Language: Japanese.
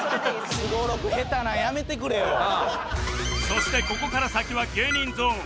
そしてここから先は芸人ゾーン